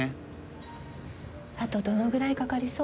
あとどのぐらいかかりそう？